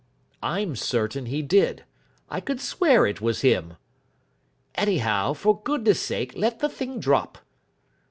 "I'm certain he did. I could swear it was him." "Anyhow, for goodness' sake let the thing drop."